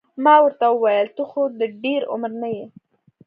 ما ورته وویل ته خو د ډېر عمر نه یې.